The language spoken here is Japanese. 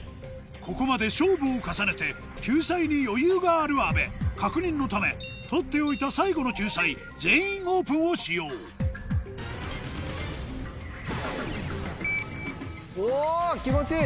ここまで勝負を重ねて救済に余裕がある阿部確認のため取っておいた最後の救済「全員オープン」を使用お気持ちいい！